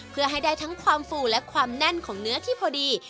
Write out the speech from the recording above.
เพื่อให้ได้ทั้งความฟูและความแน่นของเนื้อที่พอดี